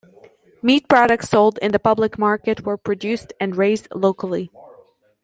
Meat products sold in the public market were produced and raised locally.